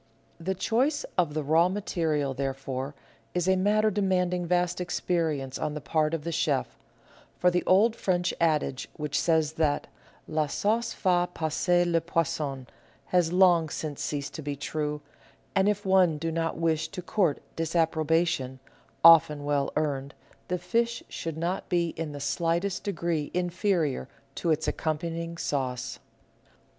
The choice of the raw material, therefore, is a matter demanding vast experience on the part of the chef; for the old French adage which says that " La sauce fait passer le poisson " has long since ceased to be true, and if one do not wish to court disapproba tion— often well earned — the fish should not be in the slightest degree inferior to its accompanying sauce.